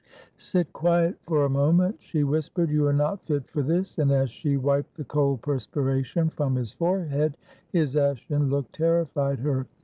"Sit quiet for a moment," she whispered; "you are not fit for this." And as she wiped the cold perspiration from his forehead, his ashen look terrified her.